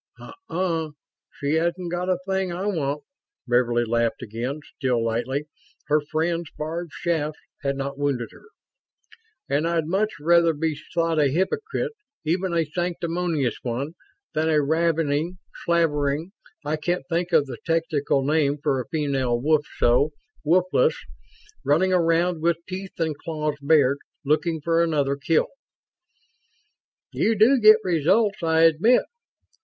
"Uh uh, she hasn't got a thing I want," Beverly laughed again, still lightly. Her friend's barbed shafts had not wounded her. "And I'd much rather be thought a hypocrite, even a sanctimonious one, than a ravening, slavering I can't think of the technical name for a female wolf, so wolfess, running around with teeth and claws bared, looking for another kill." "You do get results, I admit."